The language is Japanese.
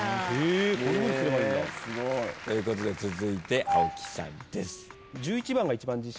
続いて青木さんです。